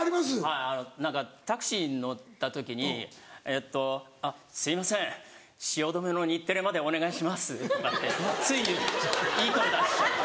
はいタクシーに乗った時に「えっとすいません汐留の日テレまでお願いします」。とかってついいい声出しちゃう。